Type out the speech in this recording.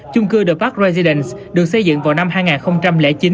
chung cư the park residence được xây dựng vào năm hai nghìn chín